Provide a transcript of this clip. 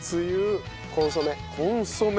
コンソメ。